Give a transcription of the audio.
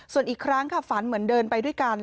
ส่วนอีกครั้งค่ะฝันเหมือนเดินไปด้วยกัน